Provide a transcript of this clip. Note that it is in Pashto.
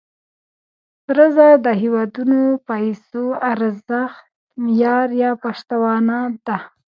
سره زر د هېوادونو د پیسو د ارزښت معیار یا پشتوانه ده.